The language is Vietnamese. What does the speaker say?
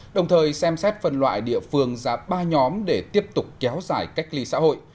đồng thời xem xét phần loại địa phương ra ba nhóm để tiếp tục kéo dài cách ly xã hội